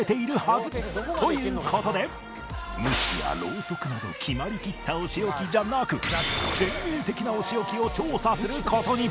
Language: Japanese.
という事でムチやろうそくなど決まりきったお仕置きじゃなく先鋭的なお仕置きを調査する事に